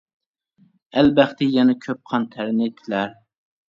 ئەل بەختى يەنە كۆپ قان-تەرنى تىلەر.